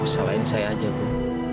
salahin saya aja bu